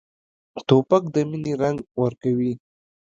توپک د مینې رنګ ورکوي.